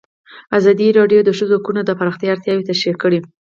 ازادي راډیو د د ښځو حقونه د پراختیا اړتیاوې تشریح کړي.